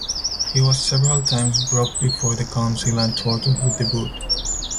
He was several times brought before the council and tortured with the boot.